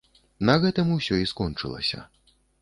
На гэтым усё і скончылася.